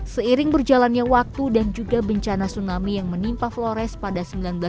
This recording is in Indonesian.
seiring berjalannya waktu dan juga bencana tsunami yang menimpa flores pada seribu sembilan ratus sembilan puluh